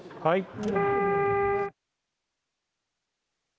はい。